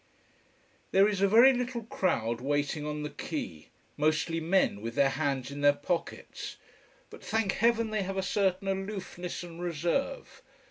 There is a very little crowd waiting on the quay: mostly men with their hands in their pockets. But, thank Heaven, they have a certain aloofness and reserve.